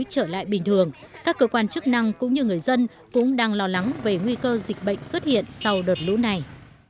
trở lại bình thường các cơ quan chức năng cũng như người dân cũng đang lo lắng về nguy cơ dịch bệnh xuất hiện sau đợt lũ này